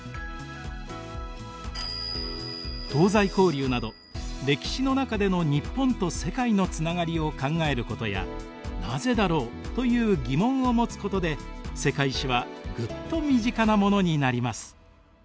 東西交流など歴史の中での日本と世界のつながりを考えることや「なぜだろう？」という疑問を持つことで「世界史」はぐっと身近なものになります。